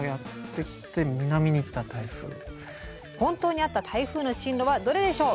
本当にあった台風の進路はどれでしょう？